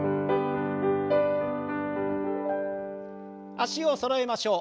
脚をそろえましょう。